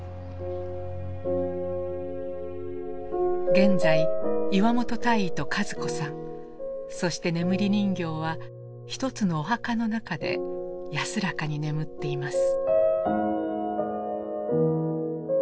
現在岩本大尉と和子さんそして眠り人形は一つのお墓の中で安らかに眠っています。